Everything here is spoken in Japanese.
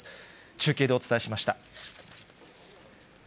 中継でお伝えしました。